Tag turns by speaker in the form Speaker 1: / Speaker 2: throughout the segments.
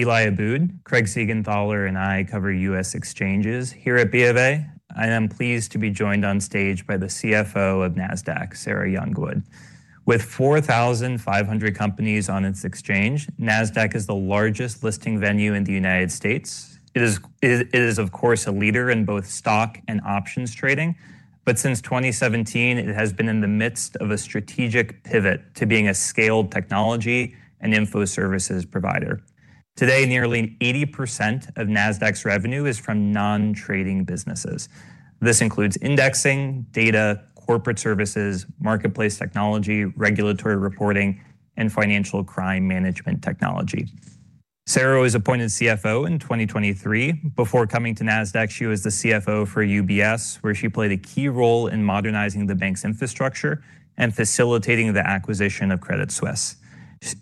Speaker 1: Eli Abboud, Craig Siegenthaler, and I cover U.S. exchanges here at BofA. I am pleased to be joined on stage by the CFO of Nasdaq, Sarah Youngwood. With 4,500 companies on its exchange, Nasdaq is the largest listing venue in the United States. It is, of course, a leader in both stock and options trading. Since 2017, it has been in the midst of a strategic pivot to being a scaled technology and info services provider. Today, nearly 80% of Nasdaq's revenue is from non-trading businesses. This includes indexing, data, corporate services, marketplace technology, regulatory reporting, and financial crime management technology. Sarah was appointed CFO in 2023. Before coming to Nasdaq, she was the CFO for UBS, where she played a key role in modernizing the bank's infrastructure and facilitating the acquisition of Credit Suisse.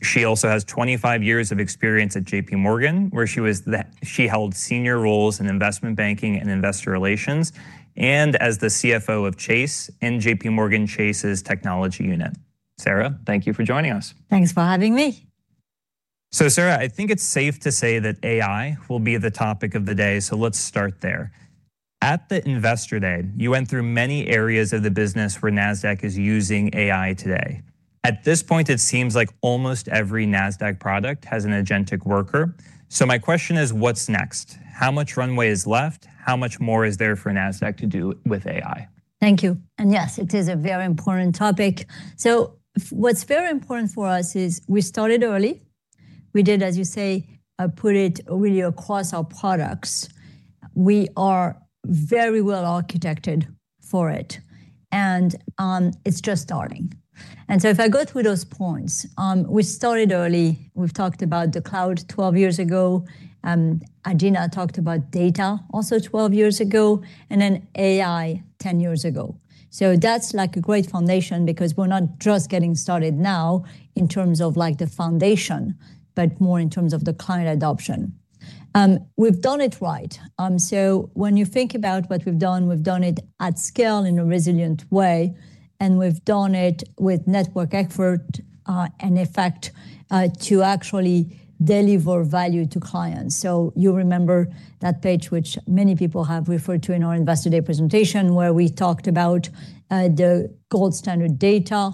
Speaker 1: She also has 25 years of experience at JPMorgan, where she held senior roles in investment banking and Investor Relations, and as the CFO of Chase in JPMorgan Chase's technology unit. Sarah, thank you for joining us.
Speaker 2: Thanks for having me.
Speaker 1: Sarah, I think it's safe to say that AI will be the topic of the day, so let's start there. At the Investor Day, you went through many areas of the business where Nasdaq is using AI today. At this point, it seems like almost every Nasdaq product has an agentic worker. My question is, what's next? How much runway is left? How much more is there for Nasdaq to do with AI?
Speaker 2: Thank you. Yes, it is a very important topic. What's very important for us is we started early. We did, as you say, put it really across our products. We are very well architected for it, and it's just starting. If I go through those points, we started early. We've talked about the cloud 12 years ago. Adena talked about data also 12 years ago, and then AI 10 years ago. That's like a great foundation because we're not just getting started now in terms of, like, the foundation, but more in terms of the client adoption. We've done it right. When you think about what we've done, we've done it at scale in a resilient way, and we've done it with network effect to actually deliver value to clients. You remember that page which many people have referred to in our Investor Day presentation, where we talked about the gold standard data,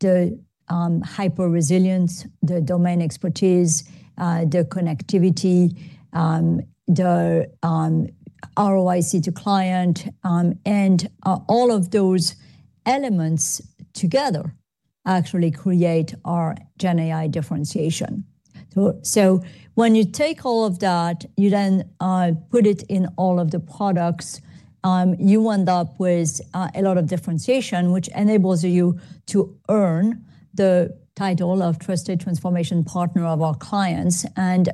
Speaker 2: the hyper-resilience, the domain expertise, the connectivity, the ROIC to client, and all of those elements together actually create our GenAI differentiation. When you take all of that, you then put it in all of the products, you end up with a lot of differentiation, which enables you to earn the title of trusted transformation partner of our clients.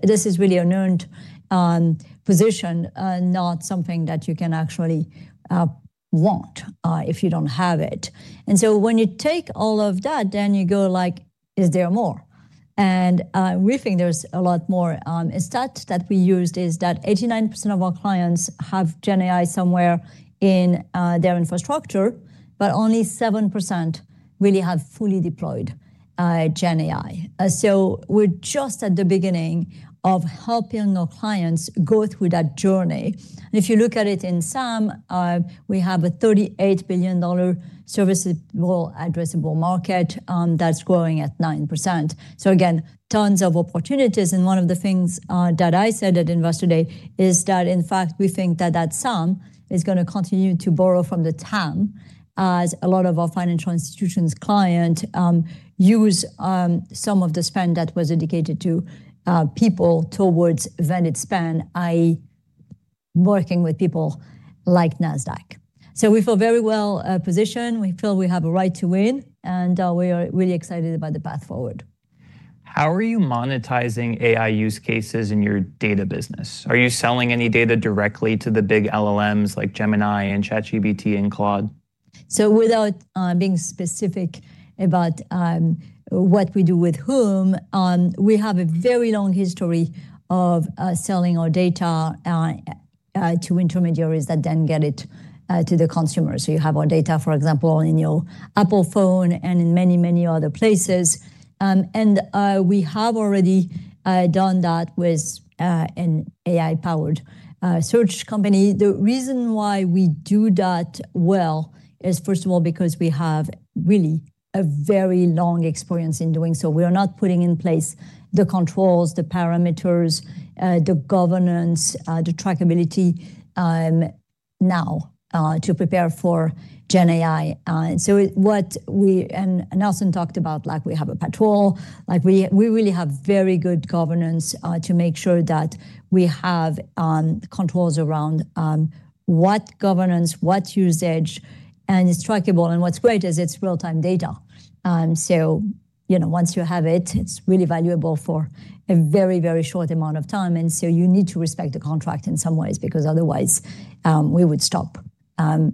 Speaker 2: This is really an earned position, not something that you can actually want if you don't have it. When you take all of that, then you go like, "Is there more?" We think there's a lot more. A stat that we used is that 89% of our clients have GenAI somewhere in their infrastructure, but only 7% really have fully deployed GenAI. We're just at the beginning of helping our clients go through that journey. If you look at it in SAM, we have a $38 billion serviceable addressable market that's growing at 9%. Again, tons of opportunities. One of the things that I said at Investor Day is that, in fact, we think that that SAM is gonna continue to borrow from the TAM as a lot of our financial institutions client use some of the spend that was intended for people towards vendor spend, i.e. working with people like Nasdaq. We feel very well positioned. We feel we have a right to win, and we are really excited about the path forward.
Speaker 1: How are you monetizing AI use cases in your data business? Are you selling any data directly to the big LLMs like Gemini and ChatGPT and Claude?
Speaker 2: Without being specific about what we do with whom, we have a very long history of selling our data to intermediaries that then get it to the consumer. You have our data, for example, in your Apple phone and in many, many other places. We have already done that with an AI-powered search company. The reason why we do that well is, first of all, because we have really a very long experience in doing so. We are not putting in place the controls, the parameters, the governance, the trackability now to prepare for GenAI. Nelson talked about, like, we have a portal. We really have very good governance to make sure that we have controls around what governance, what usage, and it's trackable. What's great is it's real-time data. You know, once you have it's really valuable for a very, very short amount of time. You need to respect the contract in some ways, because otherwise, we would stop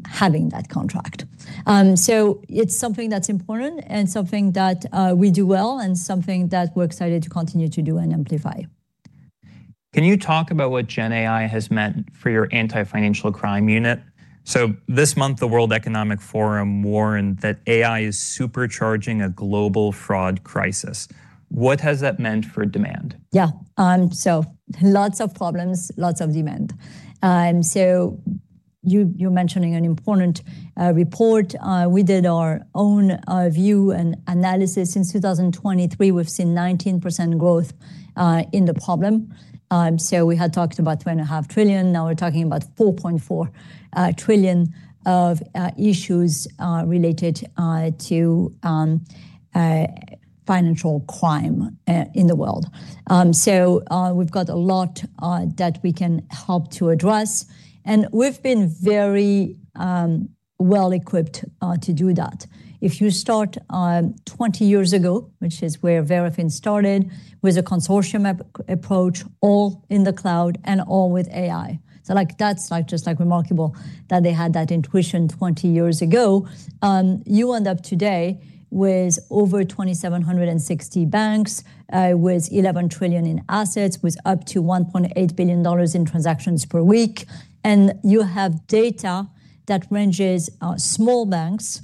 Speaker 2: having that contract. It's something that's important and something that we do well and something that we're excited to continue to do and amplify.
Speaker 1: Can you talk about what GenAI has meant for your anti-financial crime unit? This month, the World Economic Forum warned that AI is supercharging a global fraud crisis. What has that meant for demand?
Speaker 2: Yeah. Lots of problems, lots of demand. You're mentioning an important report. We did our own view and analysis. Since 2023, we've seen 19% growth in the problem. We had talked about $2.5 trillion, now we're talking about $4.4 trillion of issues related to financial crime in the world. We've got a lot that we can help to address, and we've been very well equipped to do that. If you start 20 years ago, which is where Verafin started, with a consortium approach, all in the cloud and all with AI. Like that's just like remarkable that they had that intuition 20 years ago. You end up today with over 2,760 banks with $11 trillion in assets, with up to $1.8 billion in transactions per week. You have data that ranges small banks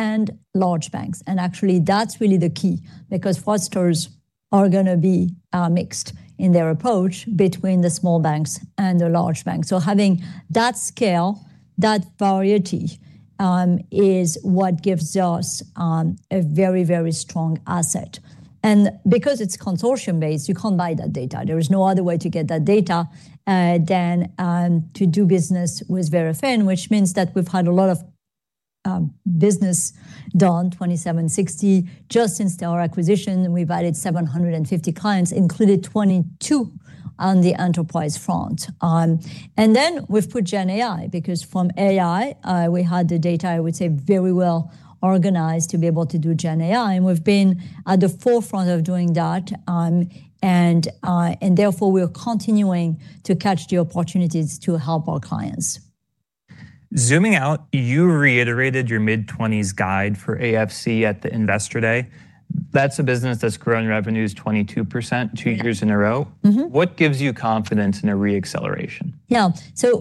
Speaker 2: and large banks. Actually that's really the key because fraudsters are gonna be mixed in their approach between the small banks and the large banks. Having that scale, that variety, is what gives us a very, very strong asset. Because it's consortium-based, you can't buy that data. There is no other way to get that data than to do business with Verafin, which means that we've had a lot of business done, 2,760 just since our acquisition, and we've added 750 clients, including 22 on the enterprise front. We've put GenAI because for AI, we had the data, I would say very well organized to be able to do GenAI, and we've been at the forefront of doing that. Therefore we are continuing to catch the opportunities to help our clients.
Speaker 1: Zooming out, you reiterated your mid-20s guide for AFC at the Investor Day. That's a business that's grown revenues 22% two years in a row.
Speaker 2: Mm-hmm.
Speaker 1: What gives you confidence in a re-acceleration?
Speaker 2: Yeah.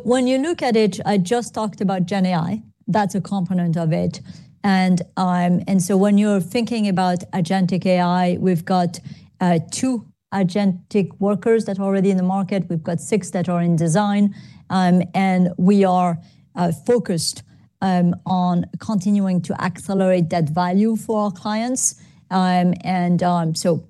Speaker 2: When you look at it, I just talked about GenAI. That's a component of it. When you're thinking about agentic AI, we've got two agentic workers that are already in the market. We've got six that are in design, and we are focused on continuing to accelerate that value for our clients.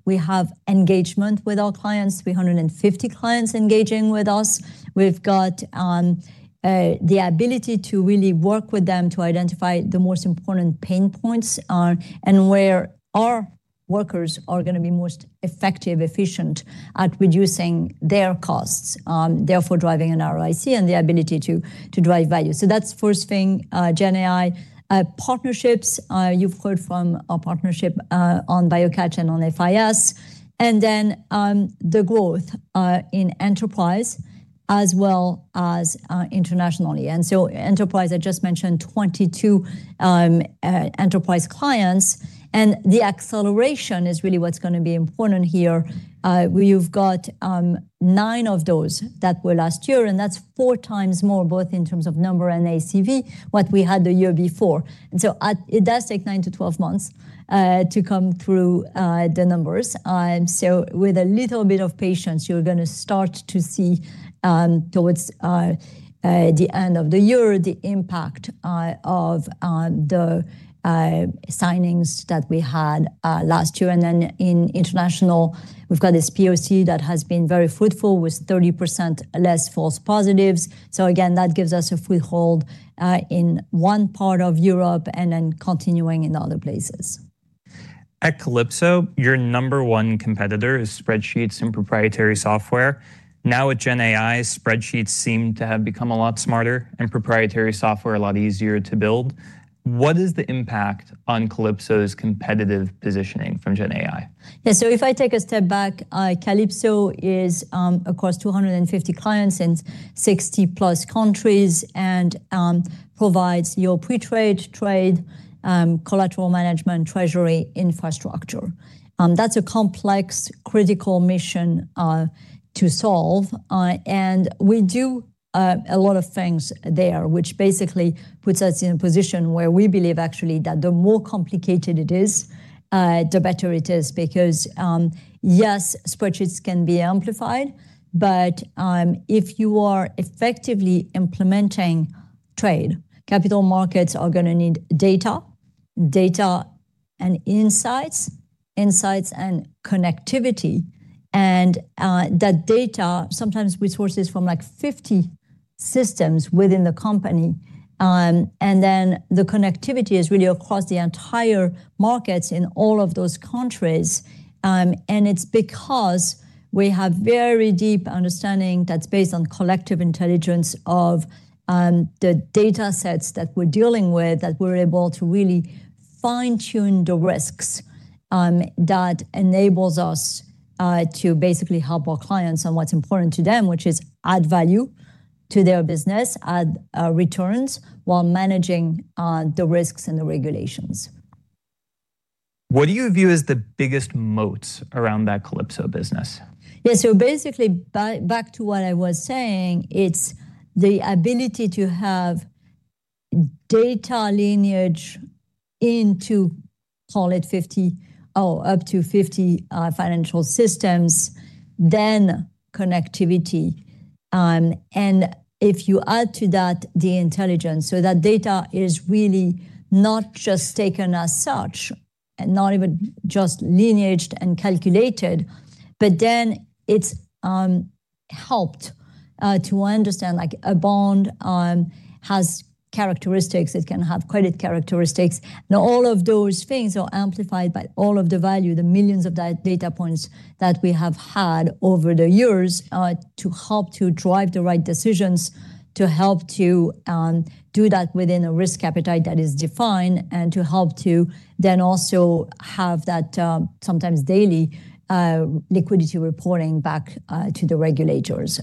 Speaker 2: We have engagement with our clients. 350 clients engaging with us. We've got the ability to really work with them to identify the most important pain points, and where our workers are gonna be most effective, efficient at reducing their costs, therefore driving an ROIC and the ability to drive value. That's first thing, GenAI. Partnerships. You've heard from our partnership on BioCatch and on FIS. The growth in enterprise as well as internationally. Enterprise, I just mentioned 22 enterprise clients and the acceleration is really what's gonna be important here. We've got nine of those that were last year, and that's 4 times more, both in terms of number and ACV, what we had the year before. It does take nine-12 months to come through the numbers. With a little bit of patience, you're gonna start to see towards the end of the year the impact of the signings that we had last year. In international, we've got this POC that has been very fruitful with 30% less false positives. Again, that gives us a foothold in one part of Europe and then continuing in other places.
Speaker 1: At Calypso, your number one competitor is spreadsheets and proprietary software. Now with GenAI, spreadsheets seem to have become a lot smarter and proprietary software a lot easier to build. What is the impact on Calypso's competitive positioning from GenAI?
Speaker 2: Yeah. If I take a step back, Calypso is across 250 clients in 60+ countries and provides core pre-trade, trade, collateral management, treasury infrastructure. That's a complex, critical mission to solve. We do a lot of things there, which basically puts us in a position where we believe actually that the more complicated it is, the better it is because yes, spreadsheets can be amplified, but if you are effectively implementing trade, capital markets are gonna need data and insights and connectivity. That data sometimes is sourced from like 50 systems within the company. The connectivity is really across the entire markets in all of those countries. It's because we have very deep understanding that's based on collective intelligence of the datasets that we're dealing with that we're able to really fine-tune the risks that enables us to basically help our clients on what's important to them, which is add value to their business, add returns while managing the risks and the regulations.
Speaker 1: What do you view as the biggest moats around that Calypso business?
Speaker 2: Back to what I was saying, it's the ability to have data lineage into up to 50 financial systems, then connectivity, and if you add to that the intelligence, so that data is really not just taken as such, and not even just lineaged and calculated, but then it's helped to understand like a bond has characteristics. It can have credit characteristics. Now, all of those things are amplified by all of the value, the millions of data points that we have had over the years to help to drive the right decisions to help to do that within a risk appetite that is defined and to help to then also have that sometimes daily liquidity reporting back to the regulators.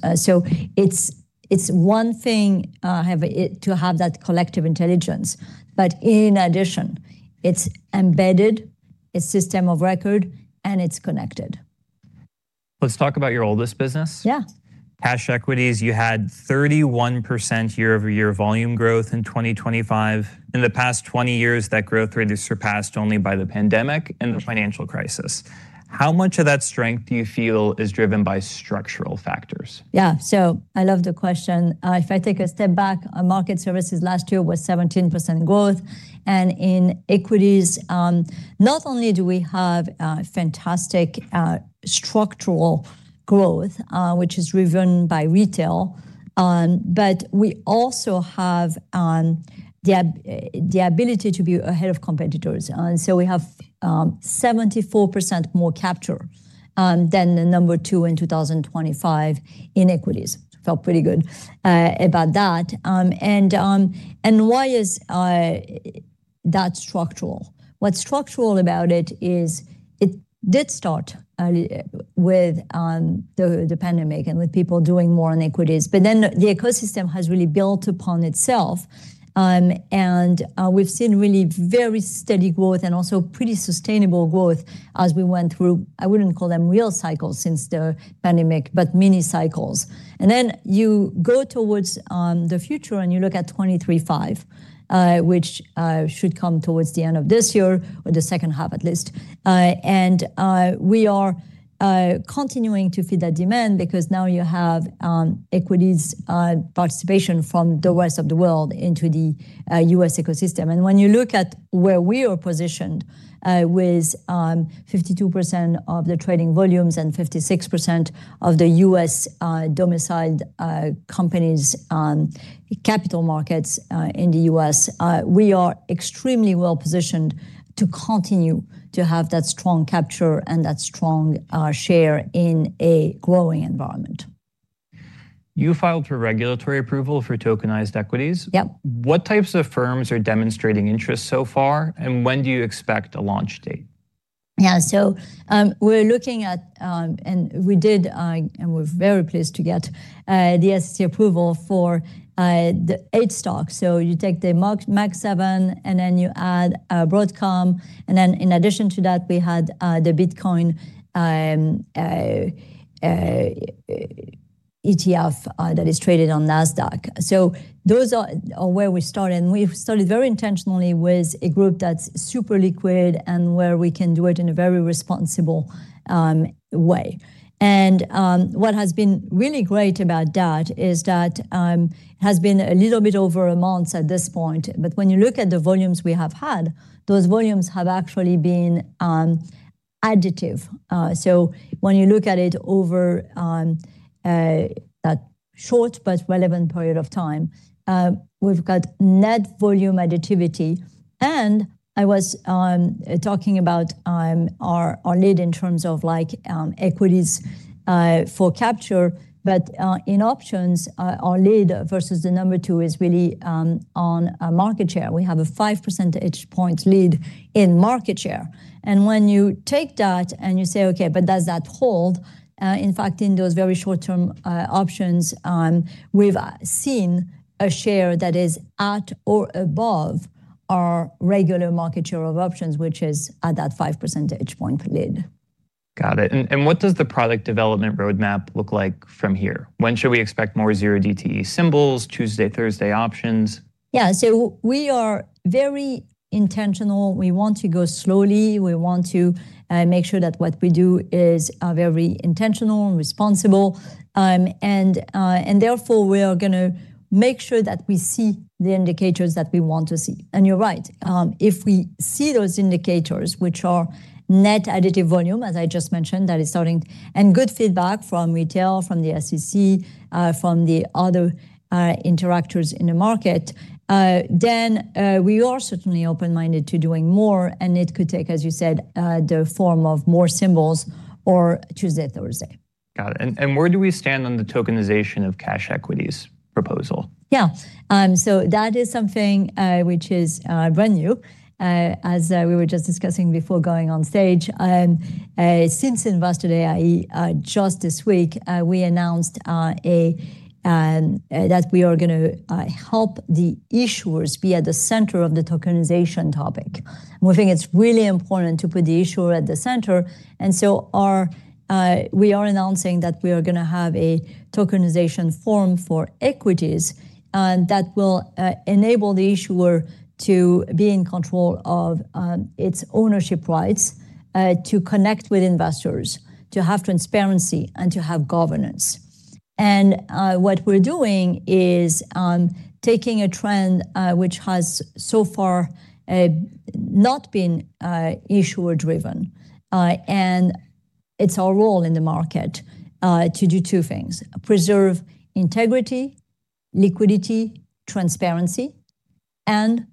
Speaker 2: It's one thing to have that collective intelligence, but in addition, it's embedded, it's system of record, and it's connected.
Speaker 1: Let's talk about your oldest business.
Speaker 2: Yeah.
Speaker 1: Cash equities, you had 31% year-over-year volume growth in 2025. In the past 20 years, that growth rate is surpassed only by the pandemic and the financial crisis. How much of that strength do you feel is driven by structural factors?
Speaker 2: Yeah. I love the question. If I take a step back, our market services last year was 17% growth and in equities, not only do we have fantastic structural growth, which is driven by retail, but we also have the ability to be ahead of competitors. So we have 74% more capture than the number two in 2025 in equities. Felt pretty good about that. Why is that structural? What's structural about it is it did start with the pandemic and with people doing more in equities, but then the ecosystem has really built upon itself, and we've seen really very steady growth and also pretty sustainable growth as we went through. I wouldn't call them real cycles since the pandemic, but mini cycles. Then you go towards the future, and you look at 24/5, which should come towards the end of this year or the second half at least. We are continuing to feed that demand because now you have equities participation from the rest of the world into the U.S. ecosystem. When you look at where we are positioned with 52% of the trading volumes and 56% of the U.S. domiciled companies on capital markets in the U.S., we are extremely well-positioned to continue to have that strong capture and that strong share in a growing environment.
Speaker 1: You filed for regulatory approval for tokenized equities.
Speaker 2: Yep.
Speaker 1: What types of firms are demonstrating interest so far, and when do you expect a launch date?
Speaker 2: Yeah. We're very pleased to get the SEC approval for the eight stocks. You take the Magnificent Seven, and then you add Broadcom, and then in addition to that, we had the Bitcoin ETF that is traded on Nasdaq. Those are where we started, and we've started very intentionally with a group that's super liquid and where we can do it in a very responsible way. What has been really great about that is that it has been a little bit over a month at this point, but when you look at the volumes we have had, those volumes have actually been additive. When you look at it over that short but relevant period of time, we've got net volume additivity. I was talking about our lead in terms of like equities for capture. In options, our lead versus the number two is really on a market share. We have a five percentage point lead in market share. When you take that and you say, "Okay, but does that hold?" In fact, in those very short-term options, we've seen a share that is at or above our regular market share of options, which is at that five percentage point lead.
Speaker 1: Got it. What does the product development roadmap look like from here? When should we expect more zero DTE symbols, Tuesday, Thursday options?
Speaker 2: Yeah. We are very intentional. We want to go slowly. We want to make sure that what we do is very intentional and responsible. Therefore, we are gonna make sure that we see the indicators that we want to see. You're right. If we see those indicators, which are net additive volume, as I just mentioned, that is starting and good feedback from retail, from the SEC, from the other actors in the market, then we are certainly open-minded to doing more, and it could take, as you said, the form of more symbols or Tuesday, Thursday.
Speaker 1: Got it. Where do we stand on the tokenization of cash equities proposal?
Speaker 2: Yeah. That is something which is brand new. As we were just discussing before going on stage. Since Investor Day, i.e., just this week, we announced that we are gonna help the issuers be at the center of the tokenization topic. We think it's really important to put the issuer at the center. We are announcing that we are gonna have a tokenization forum for equities that will enable the issuer to be in control of its ownership rights to connect with investors, to have transparency, and to have governance. What we're doing is taking a trend which has so far not been issuer-driven. It's our role in the market to do two things, preserve integrity, liquidity, transparency, and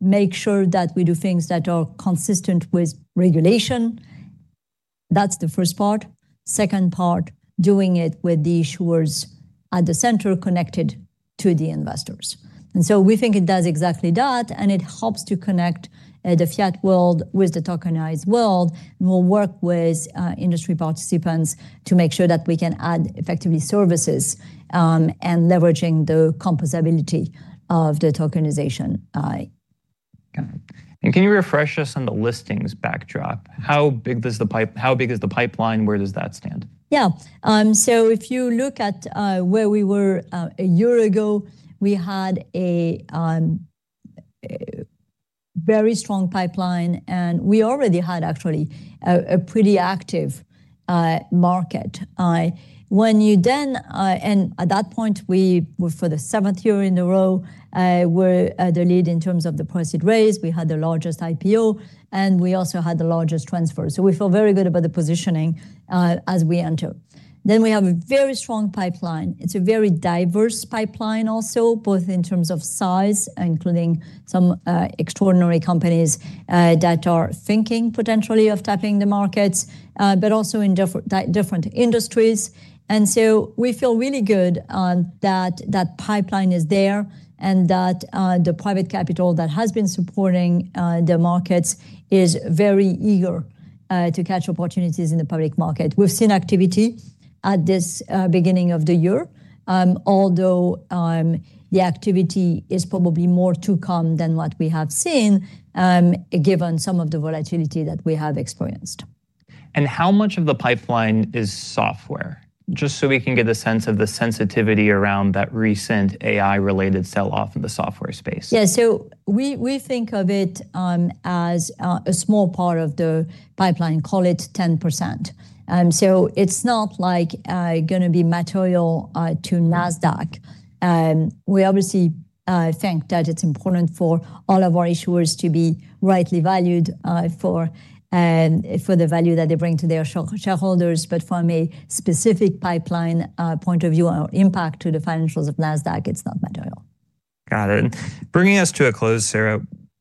Speaker 2: make sure that we do things that are consistent with regulation. That's the first part. Second part, doing it with the issuers at the center connected to the investors. We think it does exactly that, and it helps to connect the fiat world with the tokenized world, and we'll work with industry participants to make sure that we can add effectively services, and leveraging the composability of the tokenization.
Speaker 1: Got it. Can you refresh us on the listings backdrop? How big is the pipeline? Where does that stand?
Speaker 2: Yeah. If you look at where we were a year ago, we had a very strong pipeline, and we already had actually a pretty active market. At that point, we were for the seventh year in a row the lead in terms of the proceeds raised, we had the largest IPO, and we also had the largest transfer. We feel very good about the positioning as we enter. We have a very strong pipeline. It's a very diverse pipeline also, both in terms of size, including some extraordinary companies that are thinking potentially of tapping the markets, but also in different industries. We feel really good that that pipeline is there and that the private capital that has been supporting the markets is very eager to catch opportunities in the public market. We've seen activity at this beginning of the year, although the activity is probably more to come than what we have seen, given some of the volatility that we have experienced.
Speaker 1: How much of the pipeline is software? Just so we can get a sense of the sensitivity around that recent AI-related sell-off in the software space.
Speaker 2: Yeah. We think of it as a small part of the pipeline, call it 10%. It's not like gonna be material to Nasdaq. We obviously think that it's important for all of our issuers to be rightly valued for the value that they bring to their shareholders, but from a specific pipeline point of view, our impact to the financials of Nasdaq. It's not material.
Speaker 1: Got it. Bringing us to a close, Sarah,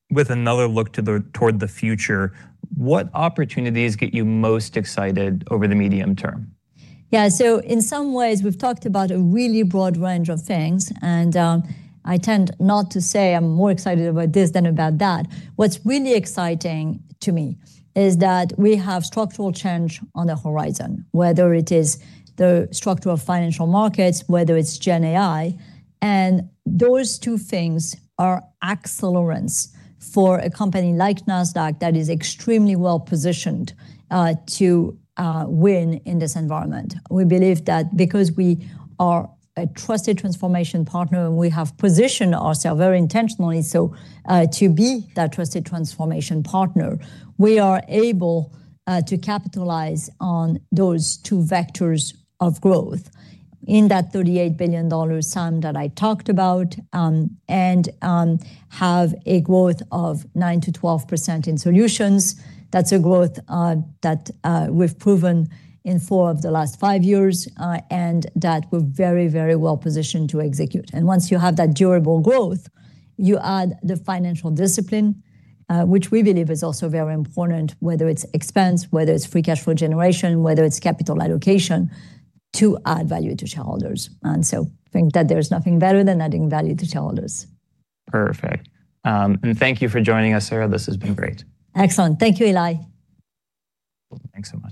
Speaker 1: with another look toward the future, what opportunities get you most excited over the medium term?
Speaker 2: Yeah. In some ways we've talked about a really broad range of things, and I tend not to say I'm more excited about this than about that. What's really exciting to me is that we have structural change on the horizon, whether it is the structure of financial markets, whether it's GenAI. Those two things are accelerants for a company like Nasdaq that is extremely well positioned to win in this environment. We believe that because we are a trusted transformation partner, and we have positioned ourselves very intentionally so to be that trusted transformation partner, we are able to capitalize on those two vectors of growth in that $38 billion sum that I talked about, and have a growth of 9%-12% in solutions. That's a growth that we've proven in four of the last five years and that we're very, very well positioned to execute. Once you have that durable growth, you add the financial discipline, which we believe is also very important, whether it's expense, whether it's free cash flow generation, whether it's capital allocation to add value to shareholders. Think that there's nothing better than adding value to shareholders.
Speaker 1: Perfect. Thank you for joining us, Sarah. This has been great.
Speaker 2: Excellent. Thank you, Eli.
Speaker 1: Thanks so much.